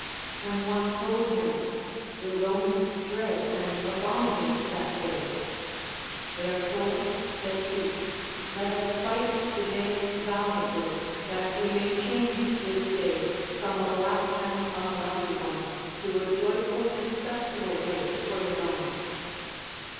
When one told him, The Romans dread and abominate that day; Therefore, said he, let us fight to day valiantly, that Ave may change this day from a black and unlucky one to a joyful and festival day for the Romans.